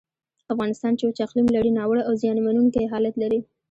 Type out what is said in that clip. افغانستان چې وچ اقلیم لري، ناوړه او زیانمنونکی حالت لري.